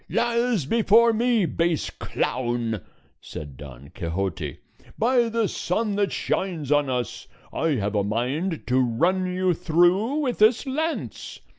"Lies before me, base clown!" said Don Quixote. "By the sun that shines on us, I have a mind to run you through with this lance.